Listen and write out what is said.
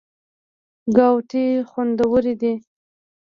ګاوتې خوندورې دي.